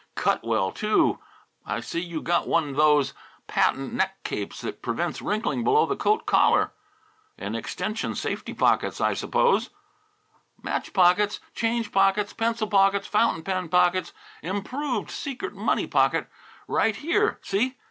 Cut well, too. I see you got one those patent neck capes that prevents wrinkling below the coat collar. And extension safety pockets, I suppose?" "Match pockets, change pockets, pencil pockets, fountain pen pockets, improved secret money pocket, right here; see?"